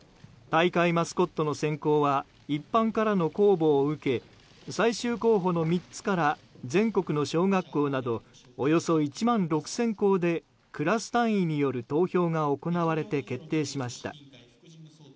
大会マスコットの選考は一般からの公募を受け最終候補の３つから全国の小学校などおよそ１万６０００校でクラス単位による投票が行われて決定しました。